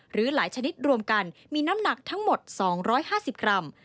หรือหลายชนิดรวมกันมีน้ำหนักทั้งหมด๒๕๐กรัม